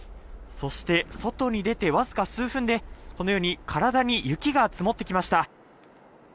そして、外に出てわずか数分で体に雪が積もってきました。